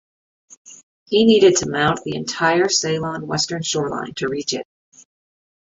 He needed to mount the entire Ceylan western shoreline to reach it.